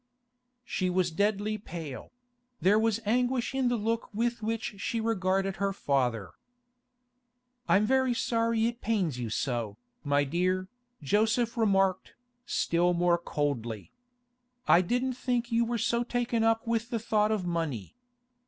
She was deadly pale; there was anguish in the look with which she regarded her father. 'I'm very sorry it pains you so, my dear,' Joseph remarked, still more coldly. 'I didn't think you were so taken up with the thought of money.